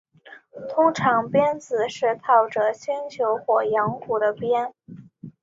通常鞭子是套着铅球或羊骨的鞭。